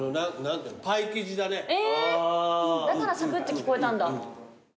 だからサクッて聞こえたんだ。